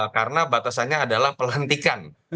karena batasannya adalah pelantikan